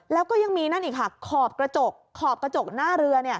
แล้วก็ยังมีนั่นอีกค่ะขอบกระจกขอบกระจกหน้าเรือ